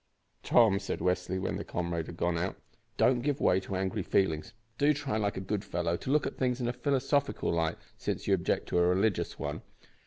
"Tom," said Westly, when their comrade had gone out, "don't give way to angry feelings. Do try, like a good fellow, to look at things in a philosophical light, since you object to a religious one.